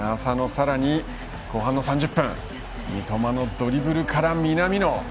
さらに後半の３０分三笘のドリブルから南野。